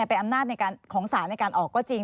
เป็นอำนาจของศาลในการออกก็จริง